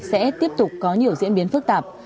sẽ tiếp tục có nhiều diễn biến phức tạp